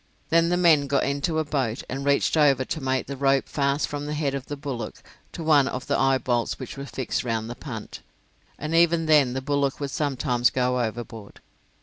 Then the men got into a boat, and reached over to make the rope fast from the head of the bullock to one of the eyebolts which were fixed round the punt, and even then the bullock would sometimes go overboard.